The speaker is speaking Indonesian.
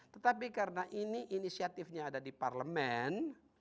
tetapi karena ini inisiatifnya ada di parlemen